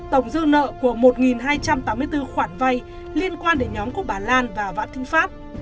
tổng dư nợ của một hai trăm tám mươi bốn khoản vay liên quan đến nhóm của bà lan và võ thinh pháp